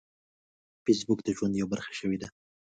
فېسبوک د ژوند یوه برخه شوې ده